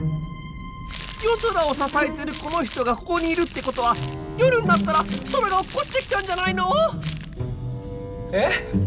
夜空を支えてるこの人がここにいるってことは夜になったら空が落っこちてきちゃうんじゃないの？え！？